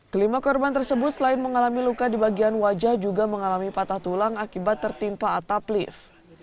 kelima korban tersebut selain mengalami luka di bagian wajah juga mengalami patah tulang akibat tertimpa atap lift